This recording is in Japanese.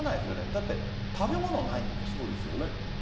だって食べ物ないんだから。